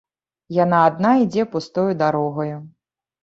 Яна адна ідзе пустою дарогаю.